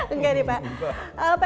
enggak nih pak